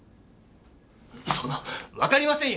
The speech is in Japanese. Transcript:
そんなわかりませんよ！